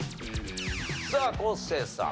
さあ昴生さん。